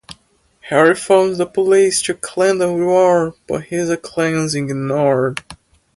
Harry phones the police to claim the reward, but his claim is ignored.